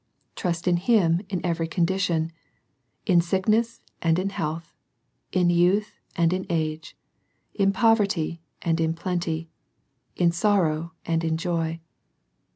Trust in Him in every condition, — in sickness and in health, in youth and in age, in poverty and in plenty, in sorrow and in joy.